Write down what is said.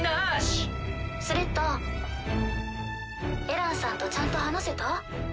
エランさんとちゃんと話せた？